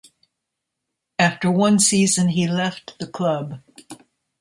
After one season he left the club.